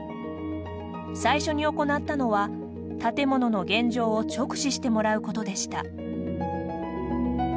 最初に行ったのは、建物の現状を直視してもらうことでした。